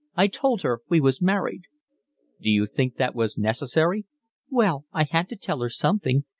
I told her we was married." "D'you think that was necessary?" "Well, I had to tell her something.